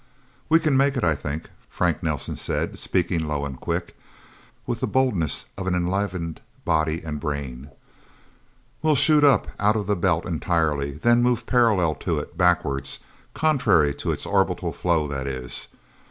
"We can make it I think," Frank Nelsen said, speaking low and quick, and with the boldness of an enlivened body and brain. "We'll shoot up, out of the Belt entirely, then move parallel to it, backwards contrary to its orbital flow, that is.